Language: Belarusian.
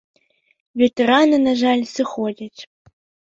Ветэраны, на жаль, сыходзяць.